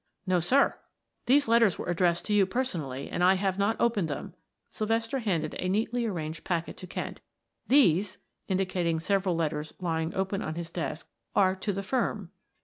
"No, sir. These letters were addressed to you personally, and I have not opened them," Sylvester handed a neatly arranged package to Kent. "These," indicating several letters lying open on his desk, "are to the firm."